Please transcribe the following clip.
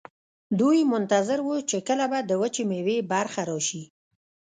دوی منتظر وو چې کله به د وچې میوې برخه راشي.